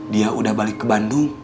dia udah balik ke bandung